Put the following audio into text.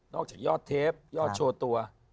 จากยอดเทปยอดโชว์ตัว